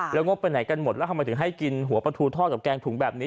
แล้วงบไปไหนกันหมดแล้วทำไมถึงให้กินหัวปลาทูทอดกับแกงถุงแบบนี้